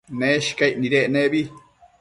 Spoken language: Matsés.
Neshcaic nidec nebi